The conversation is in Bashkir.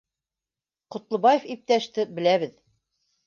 — Ҡотлобаев иптәште беләбеҙ